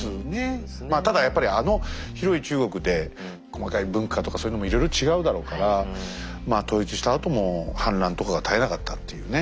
まあただやっぱりあの広い中国で細かい文化とかそういうのもいろいろ違うだろうから統一したあとも反乱とかが絶えなかったっていうね。